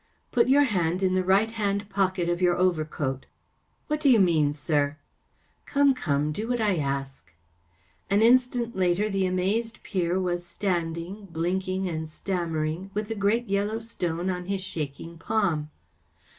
" Put your hand in the right hand pocket of your overcoat." " What do you mean, sir ?"" Come‚ÄĒcome ; do what I ask." An instant later the amazed peer was standing, blinking and stammering, with the great yellow stone on his shaking palm.